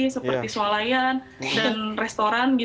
seperti sualayan dan restoran